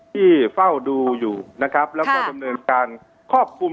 ที่เฝ้าดูอยู่นะครับ